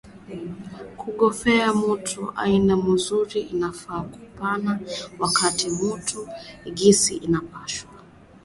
ku gorofea mutu aina muzuri inafaa kupana haki ya mutu gisi inapashwa